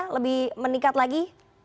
atau lebih meningkat lagi